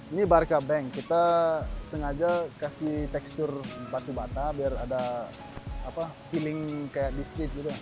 ini barca bank kita sengaja kasih tekstur batu bata biar ada feeling kayak bistik gitu